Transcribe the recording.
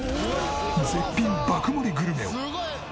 絶品爆盛りグルメを。